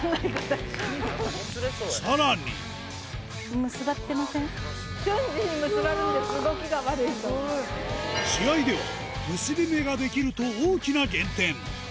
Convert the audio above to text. さらに試合では結び目が出来ると大きな減点